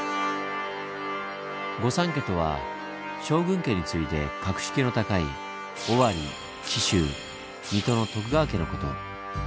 御三家とは将軍家に次いで格式の高い尾張紀州水戸の徳川家のこと。